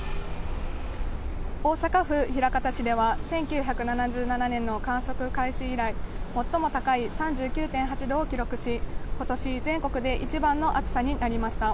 大阪府枚方市では、１９７７年の観測開始以来、最も高い３９．８度を記録し、ことし全国で一番の暑さになりました。